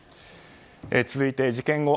続いて事件後